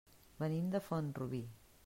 Venim de Font-rubí.